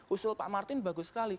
usul pak martin bagus sekali